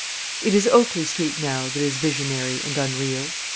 It is Oakley Street now that is visionary and unreal.